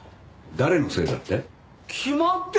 誰のせいだって？